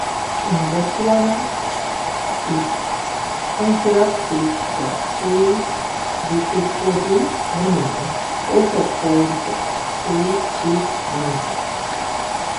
In Botswana, it constructed the Three Dikgosi Monument, also called the Three Chiefs monument.